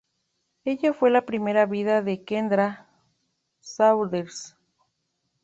Ella fue la primera vida de Kendra Saunders.